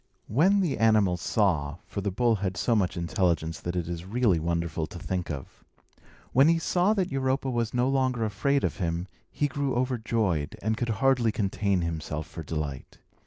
When the animal saw (for the bull had so much intelligence that it is really wonderful to think of), when he saw that Europa was no longer afraid of him, he grew overjoyed, and could hardly contain himself for delight.